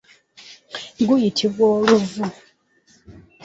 Guyitibwa oluvu.